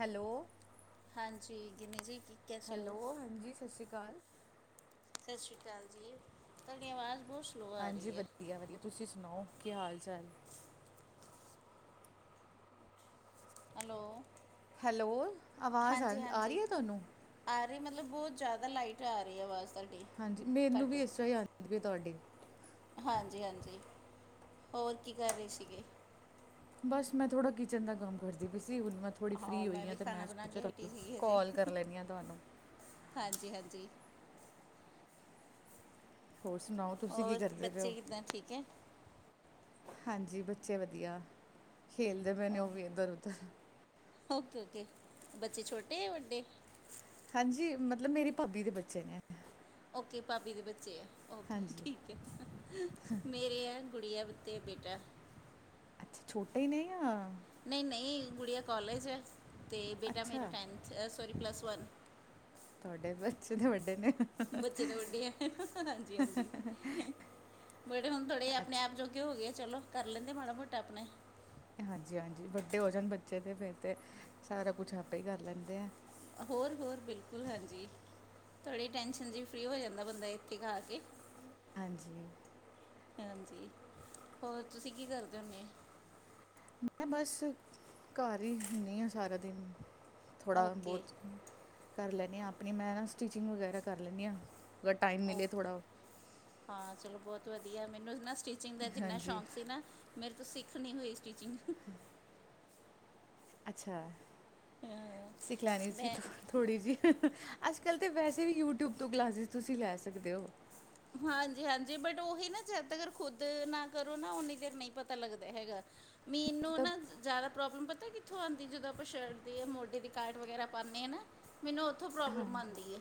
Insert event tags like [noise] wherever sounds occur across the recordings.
Hello ਹਾਂਜੀ ਗਿਨੀ ਜੀ ਕੀ ਕੈਸੇ ਹੋ ਹੈਲੋ, ਹਾਂਜੀ ਸਤਿ ਸ਼੍ਰੀ ਅਕਾਲ। ਸਤਿ ਸ਼੍ਰੀ ਅਕਾਲ ਜੀ, ਤੁਹਾਡੀ ਆਵਾਜ਼ ਬਹੁਤ ਸਲੋ ਆ ਹਾਂਜੀ, ਰਹੀ ਹੈ ਵਧੀਆ- ਵਧੀਆ ਤੁਸੀਂ ਸੁਣਾਓ ਕੀ ਹਾਲ ਚਾਲ? ਹੈਲੋ। ਹੈਲੋ, ਆਵਾਜ਼ ਆ ਹਾਂਜੀ ਆ ਹਾਂਜੀ ਰਹੀ ਏ ਤੁਹਾਨੂੰ? ਆ ਰਹੀ, ਮਤਲਬ ਬਹੁਤ ਜਿਆਦਾ ਲਾਈਟ ਆ ਰਹੀ ਆਵਾਜ ਤੁਹਾਡੀ। ਹਾਂਜੀ, ਮੈਨੂੰ ਘੱਟ ਵੀ ਇਸ ਤਰ੍ਹਾਂ ਹੀ ਆ ਰਹੀ ਤੁਹਾਡੀ। ਹਾਂਜੀ- ਹਾਂਜੀ, ਹੋਰ ਕੀ ਕਰ ਰਹੇ ਸੀਗੇ? ਬਸ, ਮੈ ਥੋੜਾ ਕਿਚਨ ਦਾ ਕੰਮ ਕਰਦੀ ਪਈ ਸੀ, ਹੁਣ ਮੈ ਥੋੜ੍ਹੀ ਫਰੀ ਮੈਂ ਹੋਈ ਹਾਂ, ਵੀ ਅਤੇ ਮੈ ਖਾਣਾ ਬਣਾ ਕੇ ਸੋਚਿਆ ਹਟੀ ਸੀਗੀ ਹਜੇ ਕੋਲ ਕਰ ਲੈਦੀ ਹਾਂ ਤੁਹਾਨੂੰ। ਹਾਂਜੀ -ਹਾਂਜੀ। ਹੋਰ ਸੁਣਾਓ, ਤੁਸੀ ਕੀ ਹੋਰ ਕਰਦੇ ਬੱਚੇ ਪਏਹੋ? ਕਿੱਦਾਂ ਠੀਕ ਹੈ ਹਾਂਜੀ ਬੱਚੇ ਵਧੀਆ, ਖੇਲਦੇ ਪਏ ਨੇ ਓ ਉਹ ਵੀ ਇਧਰ- ਉਧਰ। ਓਕੇ- ਓਕੇ ਬੱਚੇ ਛੋਟੇ ਆ ਵਡੇ? ਹਾਂਜੀ, ਮਤਲਬ ਮੇਰੀ ਭਾਬੀ ਦੇ ਬੱਚੇ ਨੇ। ਓਕੇ, ਭਾਬੀ ਦੇ ਬੱਚੇ ਆ, ਓਕੇ ਹਾਂਜੀ ਠੀਕ ਹੈ ਮੇਰੇ ਇਹ ਗੁੜੀਆ ਵੀ ਤੇ ਬੇਟਾ। ਅੱਛਾ, ਛੋਟੇ ਨੇ ਯਾਂ ਨਈ ਨਈ ਗੁੜੀਆ ਕੋਲਜ ਐ, ਤੇ ਬੇਟਾ ਮੇਰਾ ਅੱਛਾ ਟੈਨਥ ਹੈ ਸੋਰੀ ਪਲੱਸ ਵਨ। ਤੁਹਾਡੇ ਬੱਚੇ ਤੇ ਵਡੇ ਨੇ। ਬੱਚੇ ਤਾਂ ਵੱਡੇ ਆ ਹਾਂਜੀ-ਹਾਂਜੀ, ਬਟ ਹੁਣ ਥੋੜੇ ਆਪਣੇ ਆਪ ਚ ਕੀ ਹੋ ਗਿਆ? ਚਲੋ, ਕਰ ਲੈਂਦੇ ਮਾੜਾ ਮੋਟਾ ਆਪਣੇ ਹਾਂਜੀ-ਹਾਂਜੀ ਵੱਡੇ ਹੋ ਜਾਣ ਬੱਚੇ ਤੇ ਫਿਰ ਤੇ ਸਾਰਾ ਕੁੱਛ ਆਪੇ ਵੀ ਕਰ ਲੈਂਦੇ ਆਂ। ਹੋਰ-ਹੋਰ ਬਿਲਕੁੱਲ, ਹਾਂਜੀ। ਥੋੜ੍ਹੀ ਟੈਂਸ਼ਨ ਜੀ ਫਰੀ ਹੋ ਜਾਂਦਾ ਬੰਦਾ ਇੱਕ ਹੀ ਖਾ ਕੇ। ਹਾਂਜੀ। ਹਾਂਜੀ, ਹੋਰ ਤੁਸੀਂ ਕੀ ਕਰਦੇ ਹੁੰਨੇ ਆ? ਮੈਂ ਬਸ ਘਰ ਈ ਹੁੰਨੀ ਆ ਸਾਰਾ ਦਿਨ ਥੋੜ੍ਹਾ ਓਕੇ ਬੋਤ। ਕਰ ਲੈਨੀ ਆ, ਆਪਣੀ ਮੈਂ ਨਾ ਸਟਿਚਿੰਗ ਵਗੈਰਾ ਕਰ ਲੈਂਨੀ ਆ, ਅਗਰ ਟਾਈਮ ਮਿਲੇ ਓਕੇ ਥੋੜ੍ਹਾ। ਹਾਂ ਚਲੋ ਬੋਤ ਵਧੀਆ ਮੈਨੂੰ ਨਾ ਸਟਿਚਿੰਗ ਦਾ ਜਿੰਨਾ ਹਾਂਜੀ ਸ਼ੌਕ ਸੀ ਨਾ ਮੇਰੇ ਤੋਂ ਸਿੱਖ ਨੀ ਹੋਈ ਸਟੀਚਿੰਗ। ਅੱਛਾ, ਸਿੱਖ ਲੈਣੀ ਸੀ ਮੈਂ ਤੂੰ ਥੋੜ੍ਹੀ ਜੀ ਅੱਜ ਕੱਲ੍ਹ ਤਾਂ ਵੈਸੇ ਵੀ ਯੂਟਿਊਬ ਤੋਂ ਕਲਾਸਿਸ ਤੁਸੀਂ ਲੈ ਸਕਦੇ ਓ। ਹਾਂਜੀ-ਹਾਂਜੀ, ਬਟ ਓਹੀ ਨਾ ਜਦ ਤੱਕ ਖੁੱਦ ਨਾ ਕਰੋ ਨਾ ਓਨੀ ਦੇਰ ਨਈ ਪਤਾ ਲੱਗਦਾ ਹੈਗਾ। ਮੀਨੂੰ ਮਤਲਬ ਨਾ ਜਾਦਾ ਪ੍ਰੋਬਲਮ ਪਤਾ ਕਿੱਥੋਂ ਆਂਦੀ, ਜਦੋਂ ਆਪਾਂ ਸ਼ਰਟ ਦੀ ਜਾਂ ਮੋਢੇ ਦੀ ਕਾਰਟ ਵਗੈਰਾ ਪਾਨੇ ਆ ਨਾ। ਮੈਨੂੰ ਓਥੋਂ ਪ੍ਰੋਬਲਮ ਆਂਦੀ ਏ।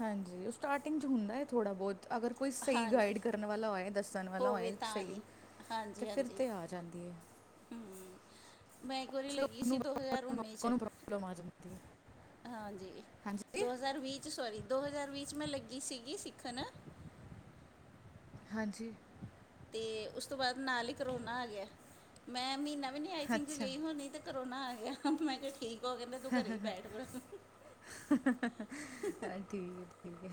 ਹਾਂਜੀਓ ਸਟਾਰਟਿੰਗ ਚ ਹੁੰਦਾ ਏ ਥੋੜ੍ਹਾ ਬੋਤ ਅਗਰ ਕੋਈ ਸਈ ਹਾਂਜੀ ਗਾਈਡ ਕਰਨ ਵਾਲਾ ਹੋਏ ਦੱਸਣ ਵਾਲਾ ਹੋਵੇ ਹੋਏ ਤਾਂ ਹੀ ਸਈ ਤੇ ਹਾਂਜੀ ਫਿਰ ਹਾਂਜੀ ਤੇ ਆ ਜਾਂਦੀ ਏ। ਮੈ ਇੱਕ ਵਾਰੀ ਕੁਝ ਲੱਗੀ ਲੋਕ ਨੂੰ ਸੀ ਦੋ ਹਜ਼ਾਰ ਬਹੁਤ ਉੱਨੀ ਚ। ਲੋਕਾਂ ਨੂੰ ਪ੍ਰੋਬਲਮ ਆ ਜਾਂਦੀ ਹੈ ਹਾਂਜੀ, ਹਾਂਜੀ ਦੋ ਹਜ਼ਾਰ ਵੀਹ ਸੋਰੀ ਦੋ ਹਜ਼ਾਰ ਵੀਹ ਚ ਮੈਂ ਲੱਗੀ ਸੀਗੀ ਸਿੱਖਣ। ਹਾਂਜੀ। ਤੇ ਉਸ ਤੋਂ ਬਾਅ ਨਾਲ ਈ ਕਰੋਨਾ ਆ ਗਿਆ ਮੈਂ ਮੀਨਾ ਵੀ ਨੀ ਆਈ ਥਿੰਕ ਅੱਛਾ ਗਈ ਹੋਣੀ ਤੇ ਕਰੋਨਾ ਆ ਗਿਆ, ਮੈਂ ਕਿਆ ਠੀਕ ਓ ਕੈਂਦਾ ਤੂੰ ਘਰੇ ਈ ਬੈਠ। ਠੀਕ-ਠੀਕ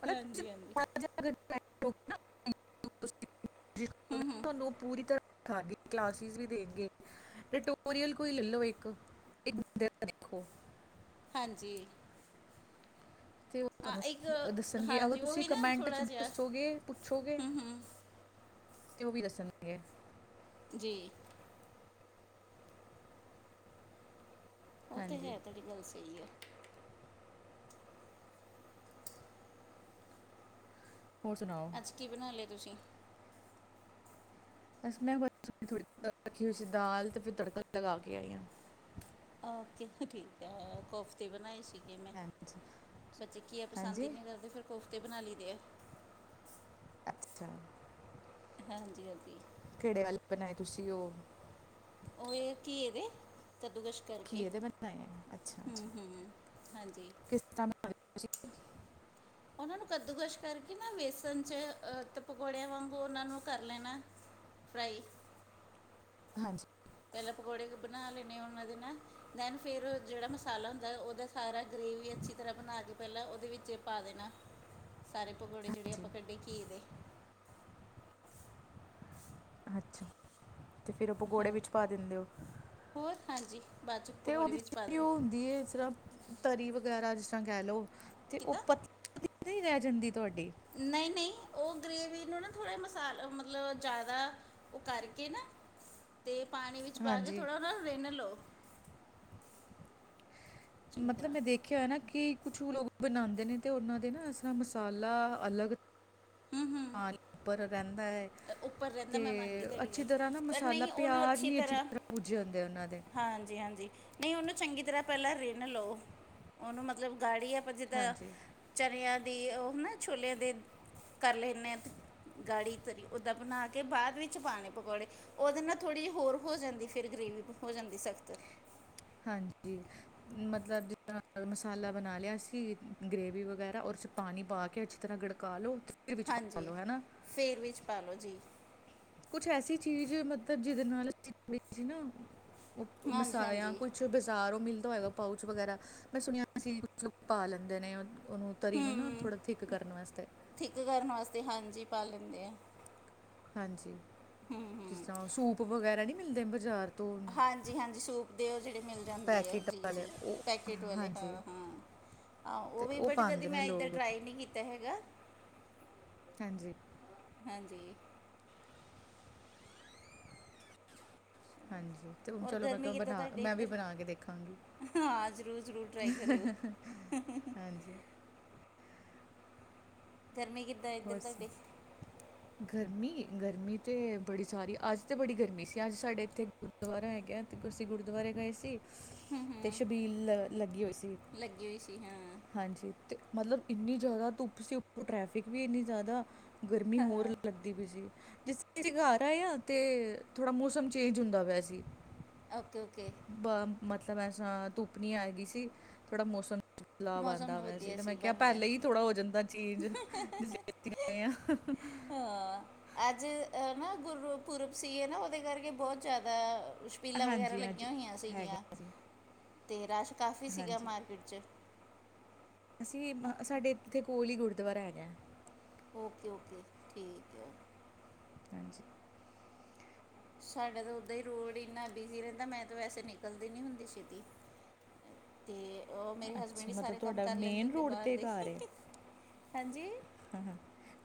ਪਤਾ [inaudible] ਹਾਂਜੀ ਹਾਂਜੀ ਹੂੰ ਹੂੰ ਤੋਨੂੰ ਪੂਰੀ ਤਰ੍ਹਾਂ ਹਾਂ, ਕਲਾਸਿਸ ਵੀ ਦੇਨਗੇ, ਟਟੋਰੀਅਲ ਕੋਈ ਲੈਲੋ ਇੱਕ। ਦੇਖੋ। ਹਾਂਜੀ। ਤੇ ਉਹ ਹਾਂ ਇੱਕ ਤੁਹਾਨੂੰ ਦੱਸਣਗੇ ਅਗਰ ਹਾਂਜੀ ਤੁਸੀਂ ਉਹੀ ਨਾ ਕਮੈਂਟ ਥੋੜਾ ਜਿਹਾ ਦੱਸੋਗੇ, ਪੁੱਛੋਗੇ। ਹੂੰ ਹੂੰ ਤੇ ਓ ਵੀ ਦੱਸਣਗੇ। ਜੀ। ਓ ਤੇ ਹਾਂਜੀ ਹੈ ਤੁਹਾਡੀ ਗੱਲ ਸਈ ਐ। ਹੋਰ ਸੁਣਾਓ? ਅੱਜ ਕੀ ਬਣਾ ਲਿਆ ਤੁਸੀਂ? ਬਸ ਮੈਂ ਬ ਥੋੜ੍ਹੀ ਰੱਖੀ ਹੋਈ ਸੀ ਦਾਲ, ਤੇ ਫਿਰ ਤੜਕਾ ਲਗਾ ਕੇ ਆਈ ਆ। ਓਕੇ ਠੀਕ ਐ, ਕੋਫਤੇ ਬਣਾਏ ਸੀ। ਏ ਮੈਂ ਹਾਂ ਬੱਚੇ ਕੀਆ ਪਸੰਦ ਹਾਂਜੀ ਈ ਨੀ ਕਰਦੇ ਫਿਰ ਕੋਫਤੇ ਬਣਾ ਲਈ ਦੇ ਐ। ਅੱਛਾ। ਹਾਂਜੀ-ਹਾਂਜੀ। ਕੇੜੇ ਵਾਲੇ ਬਣਾਏ ਤੁਸੀਂ ਓ? ਓ ਏ ਘੀਏ ਦੇ, ਕੱਦੂ ਕਸ਼ ਘੀਏ ਦੇ ਬਣਏਬ ਐ, ਅੱਛਾ-ਅੱਛਾ ਹੂੰ ਹਾਂਜੀ ਕਿਸ ਤਰ੍ਹਾਂ ਬਣਾਏ ਤੁਸੀ? ਓਨਾਂ ਨੂੰ ਕੱਦੂਕਸ਼ ਕਰਕੇ ਨਾ ਬੇਸਣ ਚ' ਅ ਤੇ ਪਕੌੜਿਆਂ ਵਾਂਗੂ ਓਨਾਂ ਨੂੰ ਕਰ ਲੈਣਾ। ਫਰਾਈ। ਹਾਂਜੀ। ਪੈਲਾ ਪਕੌੜੇ ਬਣਾ ਲੈਣੇ ਓਨਾਂ ਦੇ ਨਾ। ਦੈਨ ਫੇਰ ਜਿਹੜਾ ਮਸਾਲਾ ਹੁੰਦਾ ਓਦਾ ਸਾਰਾ- ਗ੍ਰੇਵੀ ਅੱਛੀ ਤਰ੍ਹਾਂ ਬਣਾ ਲੀ। ਪੈਲਾਂ ਓਦੇ ਵਿੱਚ ਪਾ ਦੇਣਾ। ਸਾਰੇ ਪਕੌੜੇ ਜੇੜੇ ਹਾਂਜੀ ਆਪਾਂ ਕੱਢੇ ਘੀਏ ਦੇ। ਅੱਛਾ, ਤੇ ਫੇਰ ਓ ਪਕੌੜੇ ਹਾਂ ਵਿੱਚ ਪਾ ਦਿੰਦੇ ਓ। ਹੋਰ ਹਾਂਜੀ ਬਾਅਦ ਚ ਤੇ ਪਕੌੜੇ ਓਦੀ ਵਿੱਚ ਪਾ ਦੇਣੇ ਓ, ਹੁੰਦੀ ਏ ਜਿਸਰਾਂ- ਤਰੀ ਵਗੈਰਾ ਜਿਸ ਤਰ੍ਹਾਂ ਕੈ ਲਓ, ਤੇ ਓ ਕਿਦਾਂ ਪਤਲੀ ਨੀ ਰੈ ਜਾਂਦੀ ਤੁਆਡੀ। ਨਈ- ਨਈ, ਓ ਗਰੇੇਵੀ ਨੂੰ ਨਾ ਥੋੜ੍ਹੇ ਮਸਾਲ ਮਤਲਬ ਜਾਦਾ- ਓ ਕਰਕੇ ਨਾ, ਤੇ ਪਾਣੀ ਵਿੱਚ ਪਾ ਕੇ ਹਾਂਜੀ ਥੋੜ੍ਹਾ ਓਨਾਂ ਰਿੰਨ ਲ‌ਓ। ਚੰਗੀ ਮਤਲਬ ਤਰ੍ਹਾਂ ਮੈਂ ਦੇਖਿਆ ਹੋਇਆ ਨਾ ਕੀ ਕੁਛ ਲੋਕ ਬਣਾਂਦੇ ਨੇ ਤੇ ਓਨਾਂ ਦੇ ਨਾ ਏਸਰ੍ਹਾਂ ਮਸਾਲਾ ਅਲੱਗ- ਹੂੰ ਹੂੰ ਨਾਲ ਉਪਰ ਰੈਂਦਾ ਐ। ਉੱਪਰ ਰਹਿੰਦਾ ਤੇ ਮੈਂ ਮੰਨ ਗਈ ਤੁਹਾਡੀ ਅੱਛੀ ਗੱਲ ਤਰ੍ਹਾਂ ਨਾ ਪਰ ਮਸਾਲਾ ਨਹੀਂ ਉਹਨੂੰ ਪਿਆਜ ਨੀ ਅੱਛੀ ਤਰ੍ਹਾਂ- ਭੁਜੇ ਹੋਏ ਹੋਂਦੇ ਓਨਾਂ ਦੇ। ਨਈ, ਓਨੂੰ ਚੰਗੀ ਤਰ੍ਹਾਂ ਪੈਲਾਂ ਰਿਨ ਲਓ। ਓਨੂੰ ਮਤਲਬ ਗਾੜੀ ਆਪਾਂ ਜਿੱਦਾਂ- ਹਾਂਜੀ ਚਣਿਆਂ ਦੀ ਓ ਨਾ ਛੋਲਿਆਂ ਦੇ, ਕਰ ਲੈਂਦੇ ਆਂ, ਗਾੜੀ ਤਰੀ। ਓਦਾਂ ਬਣਾ ਕੇ ਬਾਦ ਵਿੱਚ ਪਾਣੇ ਪਕੌੜੇ। ਓਦੇ ਨਾਲ ਥੋੜ੍ਹੀ ਇਹੀ ਹੋਰ ਹੋ ਜਾਂਦੀ ਫੇਰ ਗਰੇਵੀ ਹੋ ਜਾਂਦੀ ਸਖ਼ਤ। ਹਾਂਜੀ। ਮਤਲਬ ਜਿਸਰ੍ਹਾਂ- ਮਸਾਲਾ ਬਣਾ ਲਿਆ ਅਸੀਂ ਗ੍ਰੇਵੀ ਵਗੈਰਾ ਓਰ 'ਚ ਪਾਣੀ ਪਾ ਕੇ ਅੱਛੀ ਤਰ੍ਹਾਂ ਗੜਕਾ ਲੋ। ਫੇਰ ਵਿੱਚ ਪਾ ਲੋ। ਹਨਾ। ਫੇਰ ਵਿੱਚ ਪਾ ਲੋ ਜੀ। ਕੁਛ ਐਸੀ ਚੀਜ਼ ਮਤਬ ਜੀਦੇ ਨਾਲ [unintelligible] ਅਸੀਂ ਸੀ ਨਾ ਓ ਹਾਂਜੀ ਮਸਾ ਜਾਂ ਹਾਂਜੀ ਕੁਛ- ਜੋ ਬਾਜ਼ਾਰੋਂ ਮਿਲਦਾ ਹੋਏਗਾ ਪਾਊਚ ਵਗੈਰਾ, ਮੈਂ ਸੁਣਿਆ ਸੀਂ ਕੁਛ ਲੋਕ ਪਾ ਲੈਂਦੇ ਨੇ ਓਨੂੰ। ਤਰੀ ਨੂੰ ਨਾ ਥੋੜ੍ਹਾ ਥਿੱਕ ਕਰਨ ਵਸਤੇ। ਥਿੱਕ ਕਰਨ ਵਸਤੇ, ਹਾਂਜੀ ਪਾ ਲੈਂਦੇ ਆ। ਹਾਂਜੀ। ਹੂੰ ਹੂੰ ਜਿਸਰ੍ਹਾਂ ਸੂਪ ਵਗੈਰਾ ਨੀ ਮਿਲਦੇ ਬਜ਼ਾਰ। ਹਾਂਜੀ-ਹਾਂਜੀ, ਸੂਪ ਦੇ ਓ ਜੇੜੇ ਮਿਲ ਜਾਂਦੀ ਆ ਪੈਕਟ ਵਾਲੇ ਜੀ-ਜੀ, ਉਹ ਪੈਕਟ ਵਾਲੇ ਹਾਂਜੀ ਹਾਂ-ਹਾਂ। ਹਾਂ, ਓ ਅਤੇ ਵੀ ਉਹ ਬਟ ਕਦੀ ਪਾਉਂਦੇ ਨੇ ਮੈਂ ਏਧਾਂ ਲੋਕ ਟਰਾਈ ਨੀ ਕੀਤਾ ਹੈਗਾ। ਹਾਂਜੀ। ਹਾਂਜੀ। ਹਾਂਜੀ, ਤੇ ਹੁਣ ਔਰ ਚਲੋ ਮੈਂ ਗਰਮੀ ਕਿਆ ਕਿੱਦਾਂ ਬਣਾ, ਤੁਹਾਡੇ ਮੈਂ ਵੀ ਇੱਧਰ ਬਣਾਕੇ ਦੇਖਾਂਗੀ। ਹਾਂ, ਜ਼ਰੂਰ-ਜ਼ਰੂਰ ਟ੍ਰਾਈ ਕਰਿਓ। ਹਾਂਜੀ ਗਰਮੀ‌ ਕਿੰਨ ਹੋਰ ਸੁ ਗਰਮੀ, ਗਰਮੀ ਤੇ ਬੜੀ ਸਾਰੀ ਅੱਜ ਤੇ ਬੜੀ ਗਰਮੀ ਸੀ, ਅੱਜ ਸਾਡੇ ਏਥੇ ਗਰਦੁਆਰਾ ਹੈਗਾ, ਤੇ ਤੁਸੀ ਗੁਰਦੁਆਰੇ ਗਏ ਸੀ ਤੇ ਸ਼ਬੀਲ ਲ ਲੱਗੀ ਹੋਈ ਸੀ, ਲੱਗੀ ਹੋਈ ਸੀ ਹਾਂ ਹਾਂਜੀ। ਤੇ ਮਤਲਬ ਇੰਨੀ ਜਾਦਾ ਧੁੱਪ ਸੀ, ਉੱਪਰੋ ਟਰੈਫਿਕ ਵੀ ਏੰਨੀ ਜਾਦਾ, ਗਰਮੀ ਹੋਰ ਹਾਂ ਲੱਗੀ ਲਗਦੀ ਪੀ ਸੀ, ਜਿਸ ਅਸੀਂ ਘਰ ਆਏਂ ਆ ਤੇ, ਥੋੜਾ ਮੌਸਮ ਚੇਂਜ ਹੁੰਦਾ ਪਿਆ ਸੀ। ਅ ਓਕੇ-ਓਕੇ। ਬ, ਮਤਲਬ ਐਸਰਾਂ ਧੁੱਪ ਨੀ ਐਗੀ ਸੀ, ਥੋੜ੍ਹਾ ਮੌਸਮ ਬਦਲਾਵ ਮੌਸਮ ਆਂਦਾ ਪਿਆ ਸੀ, ਵਧੀਆ ਤੇ ਮੈਂ ਕਿਆ ਬਣ ਗਿਆ ਪੈਲੇ ਈ ਥੋੜਾ ਹੋ ਜਾਂਦਾ ਚੇਂਜ। ਜਿਥੇ ਅਸੀਂ ਗਏ ਆਂ। ਹਾਂ, ਅੱਜ ਅਨਾ ਗੁਰ ਪੁਰਬ ਸੀ ਨਾ ਓਦੇ ਕਰਕੇ ਬੋਤ ਜਾਦਾ ਪੀਲਾਂ ਵਗੈਰਾ ਹਾਂਜੀ, ਅੱਜ ਲੱਗੀਆਂ ਹੋਈਆਂ ਹੈਗਾ ਸੀਗੀਆਂ, ਸੀ, ਤੇ ਰਸ਼ ਕਾਫੀ ਸੀਗਾ ਹਾਂਜੀ। ਮਾਰਕੀਟ 'ਚ। ਅਸੀਂ, ਸਾਡੇ ਏਥੇ ਕੋਲ ਈ ਗੁਰਦੁਆਰਾ ਹੈਗਾ। ਓਕੇ-ਓਕੇ, ਠੀਕ ਐ। ਹਾਂਜੀ। ਸਾਡਾ ਤਾਂ ਓਦਾਂ ਈ ਰੋਡ ਏਨਾ ਬਿਜ਼ੀ ਰੈਂਦਾ, ਮੈਂ ਤੇ ਵੈਸੇ ਨਿਕਲਦੀ ਨਹੀਂ ਹੁੰਦੀ ਛੇਤੀ। ਤੇ, ਓ ਮੇਰੇ ਹਸਬੈਂਡ ਅੱਛਾ ਈ ਮਤਲਬ ਸਾਰੇ ਕੰਮ ਤੁਹਾਡਾ ਕਰ ਲੈਂਦੇ ਮੇਨ ਹੁੰਦੇ ਰੋਡ ਬਾਰ ਤੇ ਦੇ ਹੀਹੀਂ ਹਾਂਜੀ ਹਾਂ-ਹਾਂ,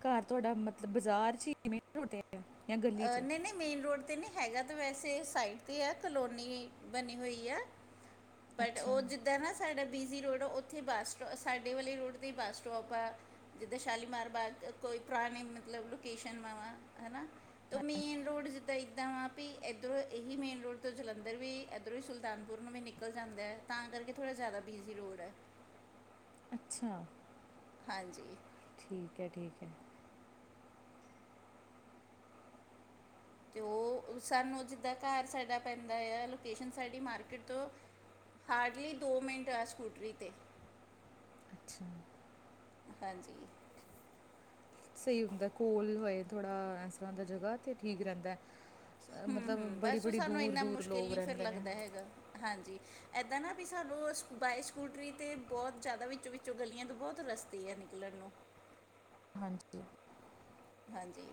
ਘਰ ਤੁਹਾਡਾ ਮਤਲਬ ਬਜ਼ਾਰ'ਚ ਮੇਨ ਰੋਡ ਤੇ? [inaudible] ਨਹੀਂ-ਨਹੀਂ, ਮੇਨ ਰੋਡ ਤੇ ਨਹੀਂ ਹੈਗਾ ਤਾਂ ਵੈਸੇ ਸਾਈਡ ਤੇ ਆ ਕਲੋਨੀ ਬਨੀ ਹੋਈ ਆ। ਬਟ ਅੱਛਾ, ਉਹ ਜਿੱਦਾਂ ਨਾ ਸਾਡਾ ਬੀਜ਼ੀ ਰੋਡ ਆ, ਉੱਥੇ ਬੱਸ, ਸਟੋ ਸਾਡੇ ਵਾਲੇ ਰੋਡ ਤੇ ਈ ਬੱਸ ਸਟੌਪ ਆ। ਇਧਰ ਸ਼ਾਲੀਮਾਰ ਬਾਗ, ਕੋਈ ਪੁਰਾਣੇ ਮਤਲਬ ਲੋਕੇਸ਼ਨ [unintelligible] ਤ ਹਾਂਜੀ, ਮੇਨ ਰੋਡ ਜਿੱਦਾਂ, ਇੱਦਾਂ ਵਾ ਵੀ ਇੱਧਰੋਂ, ਇਹੀ ਮੇਨ ਰੋਡ ਤੋਂ ਜਲੰਧਰ ਵੀ, ਇੱਧਰੋਂ ਈ ਸੁਲਤਾਨਪੁਰ ਨੂੰ ਵੀ ਨਿਕਲ ਜਾਂਦੈ। ਤਾਂ ਕਰਕੇ, ਥੋੜਾ ਜ਼ਿਆਦਾ ਬਿਜ਼ੀ ਰੋਡ ਐ। ਅੱਛਾ। ਹਾਂਜੀ। ਠੀਕ ਐ-ਠੀਕ ਐ। ਤੇ ਉਹ, ਸਾਨੂੰ ਜਿੱਦਾਂ ਘਰ ਸਾਡਾ ਪੈਂਦਾ ਤਾਂ, ਲੋਕੇਸ਼ਨ ਸਾਡੀ ਮਾਰਕੀਟ ਤੋਂ ਹਾਰਡਲੀ ਦੋ ਮਿੰਟ ਆ, ਸਕੂਟਰੀ ਤੇ। ਅਛ ਹਾਂਜੀ‌। ਸਹੀ ਹੁੰਦਾ ਕੋਲ ਹੋਏ ਥੋੜਾ, ਐਸਰ੍ਹਾਂ ਤੇ ਜਗਾ ਤੇ ਠੀਕ ਰਹਿੰਦਾ। ਅ ਹੂੰ ਮਤਲਬ, ਹੂੰ ਬਸ ਉਹ ਬੜੀ-ਬੜੀ ਸਾਨੂੰ ਇੰਨਾ ਦੂਰ-ਦੂਰ ਮੁਸ਼ਕਿਲ ਲੋਗ ਨਹੀਂ ਫਿਰ ਰਹਿੰਦੇ ਨੇ‌। ਲੱਗਦਾ ਹੈਗਾ ਹਾਂਜੀ। ਇੱਦਾਂ ਨਾ ਵੀ ਸਾਨੂੰ ਬਾਏ ਸਕੂਟਰੀ ਤੇ, ਬਹੁਤ ਜ਼ਿਆਦਾ ਵਿੱਚੋਂ-ਵਿੱਚੋਂ ਗਲੀਆਂ ਤੋਂ ਬਹੁਤ ਰਸਤੇ ਆ ਨਿਕਲਣ ਨੂੰ। ਹਾਂਜੀ। ਹਾਂਜੀ।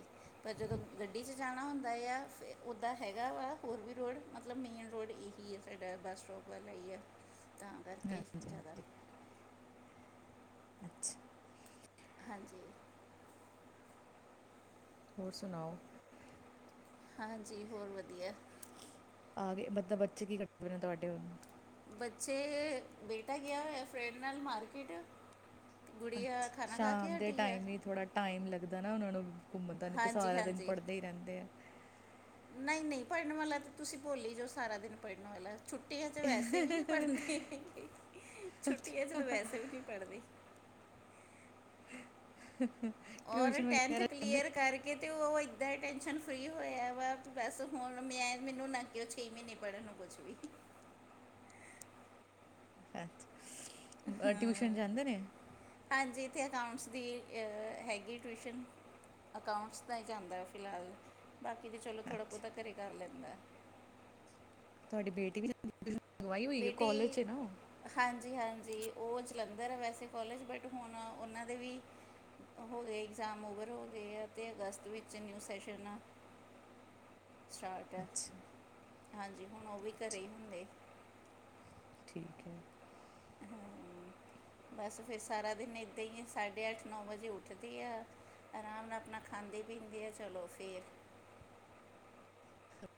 ਪਰ ਜਦੋਂ, ਗੱਡੀ 'ਚ ਜਾਣਾ ਹੁੰਦਾ ਆ, ਫਿਰ ਉੱਦਾਂ ਹੈਗਾ ਵਾ ਹੋਰ ਵੀ ਰੋਡ, ਮਤਲਬ ਮੇਨ ਰੋਡ ਹੀ ਹੀ ਸਾਡਾ, ਬੱਸ ਸਟੋਪ ਵਾਲਾ ਹੀ ਹੈ। [inaudible] ਤਾਂ ਕਰਕੇ ਹਾਂਜੀ ਜ਼ਿਆਦਾ ਅੱਛਾ। ਹਾਂਜੀ। ਹੋਰ ਸੁਣਾਓ? ਹਾਂਜੀ, ਹੋਰ ਵਧੀਆ। ਆਗੇ, ਮਤਲਬ ਬੱਚੇ ਕੀ ਕੱਰਦੇ ਪਏ ਨੇ ਤੁਹਾਡੇ ਹੁਣ? ਬੱਚੇ, ਬੇਟਾ ਗਿਆ ਹੋਇਆ ਫਰੈਂਡ ਨਾਲ ਮਾਰਕੀਟ ਗੁੜੀਆ ਅੱਛਾ, ਖਾਣਾ ਖਾ ਸ਼ਾਮ ਕੇ ਦੇ ਹਟੀ ਹੈ ਟਾਈਮ ਹੀ ਥੋੜ੍ਹਾ ਟਾਈਮ ਲੱਗਦਾ ਨਾ ਉਹਨਾਂ ਨੂੰ ਘੁੰਮਣ ਦਾ, ਨਹੀਂ ਤਾਂ ਹਾਂਜੀ ਸਾਰਾ ਦਿਨ ਪੜ੍ਹਦੇ ਹੀ ਰਹਿੰਦੇ ਆ। ਨਹੀਂ-ਨਹੀਂ, ਪੜ੍ਹਨ ਵਾਲਾ ਤਾਂ ਤੁਸੀਂ ਭੋਲ ਹੀ ਜੋ, ਸਾਰਾ ਦਿਨ ਪੜ੍ਹਨ ਵਾਲਾ ਛੁੱਟੀਆਂ 'ਚ ਵੈਸੇ ਵੀ ਨਹੀਂ ਪੜ੍ਹਨਦੇ ਹੈਗੇ, ਛੁੱਟੀਆਂ 'ਚ ਤਾਂ ਵੈਸੇ ਵੀ ਨਹੀਂ ਪੜ੍ਹਦੇ। [inaudible] [inaudible] ਔਰ ਟੈਂਥ ਵਗੈਰਾ ਜਾਂਦੇ ਕਲੀਅਰ ਕਰਕੇ ਕਿ ਤੇ ਉਹ ਇੱਦਾਂ ਹੀ ਟੈਨਸ਼ਨ ਫਰੀ ਹੋਇਆ ਵਾ, ਬਸ ਹੁਣ ਮੈਂ ਮੈਨੂੰ ਨਾ ਛੇ ਮਹੀਨੇ ਪੜਨ ਨੂੰ ਕੁਛ ਵੀ ਅੱਛਾ, ਹਾਂ। ਟਿਊਸ਼ਨ ਜਾਂਦੇ ਨੇ? ਹਾਂਜੀ, ਇੱਥੇ ਅਕਾਊਂਟਸ ਦੀ ਹੈਗੀ ਟਿਊਸ਼ਨ ਅਕਾਊਂਟਸ ਦਾ ਹੀ ਜਾਂਦਾ ਫਿਲਹਾਲ, ਬਾਕੀ ਤਾਂ ਚਲੋ ਥੋੜ੍ਹਾ ਅੱਛਾ ਬਹੁਤਾ ਘਰ ਕਰ ਲੈਂਦਾ। ਤੁਹਾਡੀ ਬੇਟੀ ਵੀ ਮੰਗਵਾਈ ਹੋਈ, ਕੋਲਜ 'ਚ ਏ ਨਾ ਓਹ? ਹਾਂਜੀ-ਹਾਂਜੀ, ਉਹ ਜਲੰਧਰ ਹੈ ਵੈਸੇ ਕੋਲਜ, ਬਟ ਹੁਣ ਉਹਨਾਂ ਦੇ ਵੀ ਹੋ ਗਏ ਇਗਜ਼ਾਮ ਓਵਰ ਹੋ ਗਏ ਆ, ਤੇ ਅਗਸਤ ਵਿੱਚ ਨਿਊ ਸੈਸ਼ਨ ਸਟਾਰਟ ਆ, ਅੱਛਾ ਹਾਂਜੀ, ਹੁਣ ਉਹ ਵੀ ਘਰ ਹੀ ਹੁੰਦੇ। ਠੀਕ ਹੈ। ਹਮ, [inaudible] ਬਸ ਫਿਰ ਸਾਰਾ ਦਿਨ ਇੱਦਾਂ ਹੀ, ਸਾਢੇ ਅੱਠ ਨੌਂ ਵਜੇ ਉੱਠਦੀ ਆ‌। ਆਰਾਮ ਨਾਲ ਆਪਣਾ ਖਾਂਦੀ-ਪੀਂਦੀ ਆ, ਚਲੋ ਫਿਰ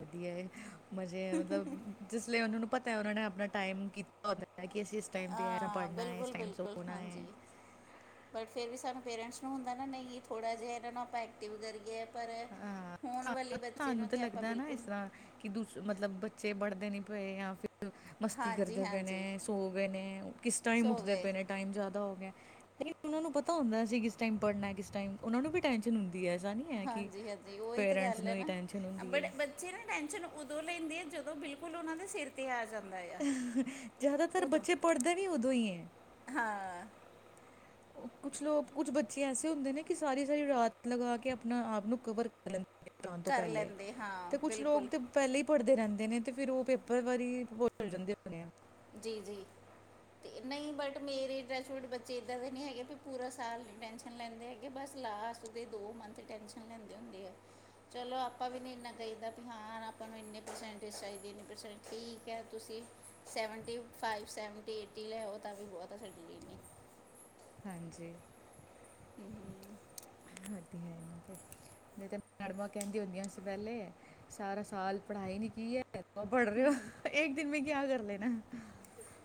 ਵਧੀਆ ਏ, ਮਜ਼ੇ ਮਤਲਬ ਜਿਸ ਲਈ ਉਹਨਾਂ ਨੂੰ ਪਤਾ ਹੈ, ਉਹਨਾਂ ਨੇ ਆਪਣਾ ਟਾਈਮ ਕੀਤਾ। ਉਹ ਨੇ ਕਿ ਅਸੀਂ ਇਸ ਟਾਈਮ ਤੇ ਹੈ ਨਾ ਹਾਂ ਪੜ੍ਹਨਾ ਹੈ, ਇਸ ਬਿਲਕੁਲ ਟਾਈਮ ਬਿਲਕੁਲ ਸੋਣਾ ਹੈ। ਹਾਂਜੀ ਬਟ ਫਿਰ ਵੀ, ਸਾਨੂੰ ਪੇਰੈਂਟਸ ਨੂੰ ਹੁੰਦਾ ਨਾ, ਨਹੀਂ ਥੋੜ੍ਹਾ ਜਿਹਾ ਇਹਨਾਂ ਨੂੰ ਆਪਾਂ ਐਕਟਿਵ ਕਰੀਏ। ਪਰ, ਹਾਂ ਹੁਣ ਸਾਨੂੰ ਵਾਲੇ ਬੱਚੇ ਸਾਨੂੰ ਨੂੰ ਤਾਂ ਆਪਾਂ ਲੱਗਦਾ ਨਾ ਇਸ ਬਿਲਕੁਲ ਤਰ੍ਹਾਂ ਕਿ ਦ' ਮਤਲਬ ਬੱਚੇ ਪੜਦੇ ਨੀ ਪਏ, ਜਾਂ ਮਸਤੀ ਹਾਂਜੀ ਕਰਦੇ ਪਏ ਹਾਂਜੀ ਨੇ, ਸੋ ਗਏ ਨੇ, ਕਿਸ ਟਾਈਮ ਸੋ ਉੱਠਦੇ ਗਏ ਪਏ ਨੇ। ਟਾਈਮ ਜ਼ਿਆਦਾ ਹੋ ਗਿਆ, ਉਹਨਾਂ ਨੂੰ ਪਤਾ ਹੁੰਦਾ ਐ ਅਸੀਂ ਕਿਸ ਟਾਈਮ ਪੜ੍ਹਨਾ, ਕਿਸ ਟਾਈਮ, ਉਹਨਾਂ ਨੂੰ ਵੀ ਟੈਂਸ਼ਨ ਹੁੰਦੀ ਹੈ, ਐਸਾ ਨਹੀ ਹੈ ਕਿ ਹਾਂਜੀ ਹਾਂਜੀ ਉਹੀ ਤੇ ਪੇਰੈਂਟਸ ਗੱਲ ਹੈ ਨੂੰ ਹੀ ਨਾ, ਟੈਨਸ਼ਨ ਹੁੰਦੀ ਹੈ ਬਟ ਬੱਚੇ ਨਾ ਟੈਨਸ਼ਨ ਉਦੋਂ ਲੈਂਦੇ ਆ, ਜਦੋਂ ਬਿਲਕੁਲ ਉਹਨਾਂ ਦੇ ਸਿਰ ਤੇ ਆ ਜਾਂਦਾ ਹੈਏ। ਜ਼ਿਆਦਾਤਰ ਬੱਚੇ, ਪੜ੍ਹਦੇ ਵੀ ਉਦੋਂ ਹੀ ਐ। ਹਾਂ। ਕੁਛ ਲੋਕ ਕੁਛ ਬੱਚੇ ਐਸੇ ਹੁੰਦੇ ਨੇ, ਕਿ ਸਾਰੀ-ਸਾਰੀ ਰਾਤ ਲਗਾ ਕੇ ਆਪਣਾ ਆਪ ਨੂੰ ਕਵਰ ਕਰ ਲੈਂਦੇ ਨੇ ਜਾਨ ਤੋਂ ਕਰ ਪੈਲੇ ਲੈਂਦੇ ਹਾਂ ਤੇ ਕੁਛ ਲੋਕ ਬਿਲਕੁਲ ਤੇ ਪੈਲੇ ਈ ਭਰਦੇ ਰੈਂਦੇ ਨੇ ਤੇ ਫਿਰ ਓ ਪੇਪਰ ਵਾਰੀ ਹੋਰ ਭੁੱਲ ਜਾਂਦੇ ਹੋਣੇ ਆ। ਜੀ ਜੀ। ਤੇ ਨਈ ਬਟ ਮੇਰੇ ਡਰੇਸ ਵੁਡ ਬੱਚੇ ਇੱਦਾਂ ਦੇ ਨਈ ਹੈਗੇ ਵੀ ਪੂਰਾ ਸਾਲ ਟੈਨਸ਼ ਲੈਂਦੇ ਹੈਗੇ ਬਸ ਲਾਸਟ ਦੇ ਦੋ ਮੰਥ ਟੈਨਸ਼ਨ ਲੈਂਦੇ ਹੁੰਦੇ ਆ। ਚਲੋ ਆਪਾਂ ਵੀ ਨਈ ਇੰਨਾ ਕਈਦਾ ਵੀ ਹਾਂ ਹੁਨ ਆਪਾਂ ਨੂੰ ਇੰਨੇ ਪ੍ਰਸੈਂਟੇਜ ਚਾਈਦੇ ਨੇ ਪ੍ਰਸੈਂਟ ਠੀਕ ਐ ਤੁਸੀ ਸੈਵਨਟੀ ਫਾਈਵ ਸੈਵਨਟੀ ਏਟੀ ਲੈ ਆਓ ਤਾਂ ਵੀ ਬੌਤ ਆ ਸਾਡੇ ਲਈ ਏਨੇ। ਹਾਂਜੀ। ਵਦੀਆ ਜੀ ਵਦੀਆ। ਨਈ ਤੇ ਮੈਡਮਾਂ ਕੇਂਦੀਆ ਹੁੰਦੀਆਂ ਸੀ ਪੈਲੇ ਸਾਰਾ ਸਾਲ ਪੜ੍ਹਾਈ ਨੀ ਕੀ ਹੈ ਅਬ ਪੜ੍ਹ ਰੇ ਓ ਏਕ ਦਿਨ ਮੈਂ ਕਿਆ ਕਰ ਲੇਨਾ।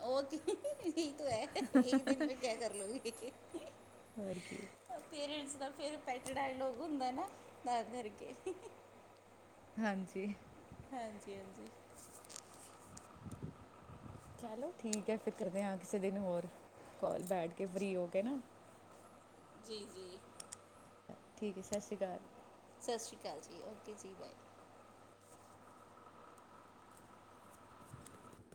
ਓ ਕਿ ਯਹੀ ਤੋ ਹੈ ਏਕ ਦਿਨ ਮੈਂ ਕਿਆ ਕਰ ਲੋਗੇ? ਪੇਰੈਂਟਸ ਦਾ ਫੇਰ ਪੈਟ ਡਾਇਲੋਗ ਹੁੰਦਾ ਏ ਨਾ ਤਾਂ ਕਰ ਕੇ। ਹਾਂਜੀ। ਹਾਂਜੀ ਹਾਂਜੀ। ਚਲੋ ਠੀਕ ਐ ਫਿਰ ਕਰਦੇ ਆਂ ਕਿਸੇ ਦਿਨ ਹੋਰ ਕੋਲ ਬੈਠ ਕੇ ਫਰੀ ਹੋ ਕੇ ਨਾ। ਜੀ ਜੀ। ਠੀਕ ਐ ਸਾਸਰੀ ਕਾਲ। ਸਾਸਰੀ ਕਾਲ ਜੀ, ਓਕੇ ਜੀ ਬਾਏ।